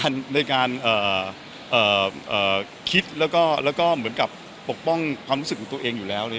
ในการคิดแล้วก็เหมือนกับปกป้องความรู้สึกของตัวเองอยู่แล้ว